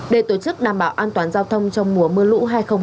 để tổ chức đảm bảo an toàn giao thông trong mùa mưa lũ hai nghìn hai mươi